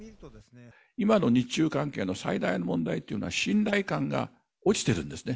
今の日中関係の最大の問題というのは、信頼感が落ちてるんですね。